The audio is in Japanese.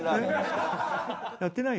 やってない？